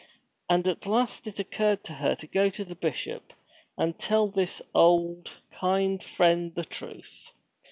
And at last it occurred to her to go to the Bishop, and tell this old, kind friend the truth.